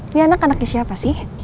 ini anak anaknya siapa sih